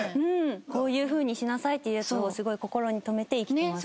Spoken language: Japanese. こういう風にしなさいっていうやつをすごい心に留めて生きてます。